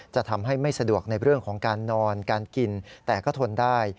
จะทำให้ไม่สะดวกในเรื่องของการนอนการกินแต่ก็ทนได้